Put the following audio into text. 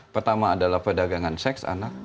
pertama adalah perdagangan seks anak